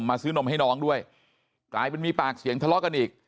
ซื้อนมให้น้องด้วยกลายเป็นมีปากเสียงทะเลาะกันอีก